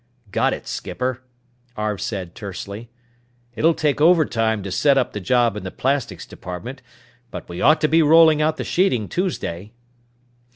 "Got it, skipper," Arv said tersely. "It'll take overtime to set up the job in the plastics department. But we ought to be rolling out the sheeting Tuesday."